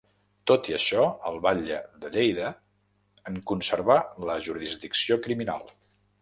Tot i això, el batlle de Lleida en conservà la jurisdicció criminal.